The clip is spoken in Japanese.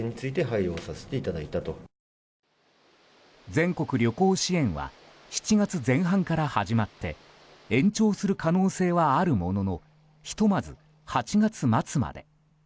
全国旅行支援は７月前半から始まって延長する可能性はあるもののひとまず８月末まで。